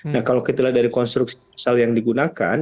nah kalau kita lihat dari konstruksi pasal yang digunakan